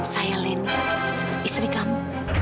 saya lenny istri kamu